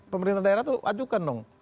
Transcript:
pemerintah daerah itu ajukan dong